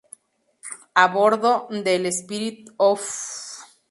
A bordo del "Spirit of St.